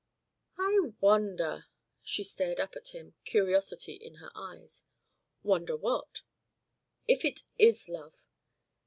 "I wonder?" She stared up at him, curiosity in her eyes. "Wonder what?" "If it is love?"